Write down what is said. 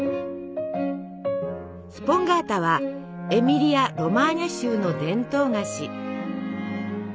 スポンガータはエミリア・ロマーニャ州の伝統菓子。